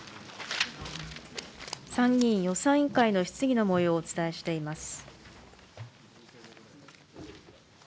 参議院予算委員会の質疑のもようをお伝えしています。